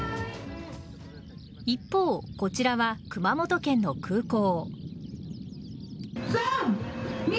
一方、こちらは熊本県の空港。